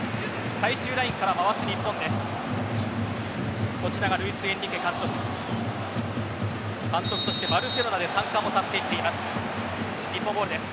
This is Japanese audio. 最終ラインから回す日本です。